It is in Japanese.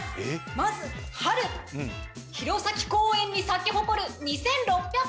まず春弘前公園に咲き誇る２６００